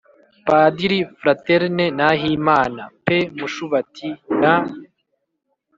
-padiri fraterne nahimana (p.mushubati) , na